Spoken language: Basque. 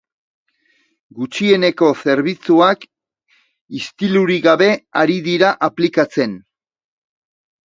Gutxieneko zerbitzuak istilurik gabe ari dira aplikatzen.